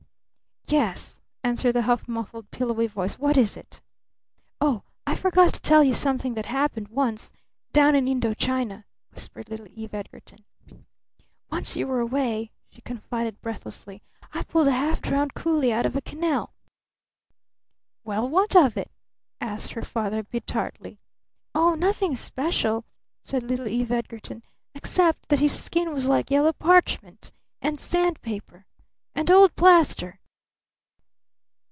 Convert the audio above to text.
"Yes," answered the half muffled, pillowy voice. "What is it?" "Oh, I forgot to tell you something that happened once down in Indo China," whispered little Eve Edgarton. "Once when you were away," she confided breathlessly, "I pulled a half drowned coolie out of a canal." "Well, what of it?" asked her father a bit tartly. "Oh, nothing special," said little Eve Edgarton, "except that his skin was like yellow parchment! And sand paper! And old plaster!"